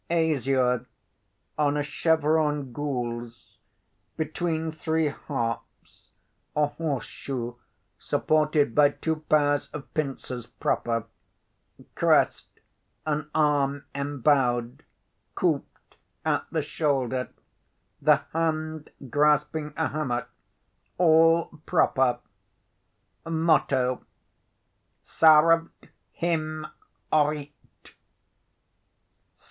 "Azure, on a chevron gules between three harps, a horse shoe supported by two pairs of pincers, proper. Crest An arm embowed, couped at the shoulder, the hand grasping a hammer, all proper. Motto 'SARUED HYM RIGHTE.'"